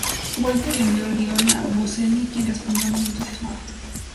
Winter le envió el guion a Buscemi, quien respondió muy entusiasmado.